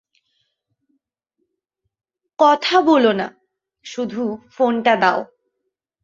কথা বল না শুধু ফোনটা দাও।